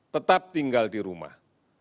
tetap tinggal di rumah